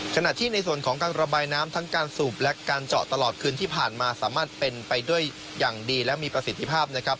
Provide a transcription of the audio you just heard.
ขณะที่ในส่วนของการระบายน้ำทั้งการสูบและการเจาะตลอดคืนที่ผ่านมาสามารถเป็นไปด้วยอย่างดีและมีประสิทธิภาพนะครับ